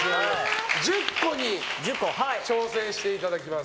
１０個に挑戦していただきます。